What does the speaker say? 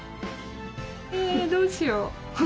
えどうしよう。